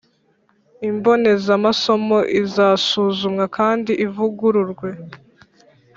lmbonezamasomo izasuzumwa kandi ivugururwe